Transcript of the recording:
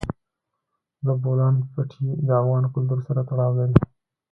د بولان پټي د افغان کلتور سره تړاو لري.